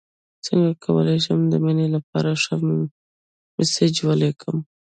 څنګه کولی شم د مینې لپاره ښه میسج ولیکم